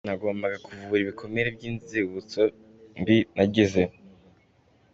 Nagombaga kuvura ibikomere by’inzibutso mbi nagize.